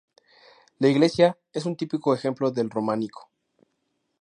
La iglesia es un típico ejemplo del románico.